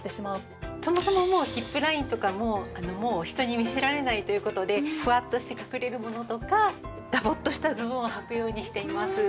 そもそもヒップラインとかももう人に見せられないという事でフワッとして隠れるものとかダボッとしたズボンをはくようにしています。